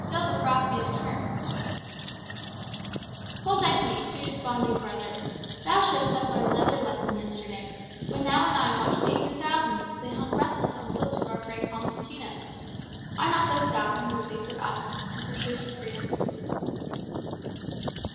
"Still the frosts may return." "Hold thy peace, too desponding brother. Thou shouldst have learned another lesson yesterday, when thou and I watched the eager thousands as they hung breathless on the lips of our Fray Constantino. Are not those thousands really for us, and for truth and freedom?"